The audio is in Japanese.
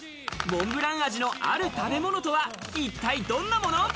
モンブラン味のある食べ物とは一体どんなもの？